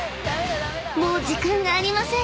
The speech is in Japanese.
［もう時間がありません！］